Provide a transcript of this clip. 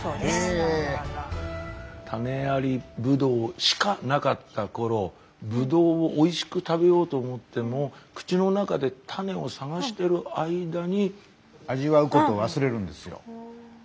種ありブドウしかなかった頃ブドウをおいしく食べようと思っても口の中で種を探してる間に。